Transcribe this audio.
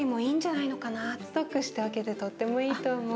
ストックしておけてとってもいいと思う。